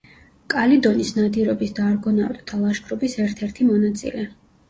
კალიდონის ნადირობის და არგონავტთა ლაშქრობის ერთ-ერთი მონაწილე.